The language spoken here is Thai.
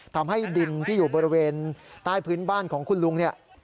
ทำให้ดินที่อยู่บริเวณใต้พื้นบ้านของคุณลุงเนี่ย